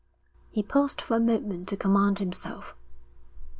He paused for a moment to command himself.